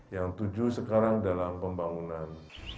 yang tujuh sekarang dalam pembangunan